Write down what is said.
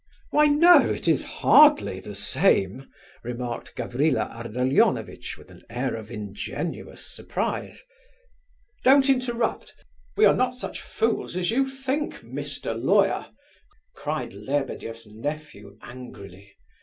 "Why, no, it is hardly the same," remarked Gavrila Ardalionovitch, with an air of ingenuous surprise. "Don't interrupt, we are not such fools as you think, Mr. Lawyer," cried Lebedeff's nephew angrily.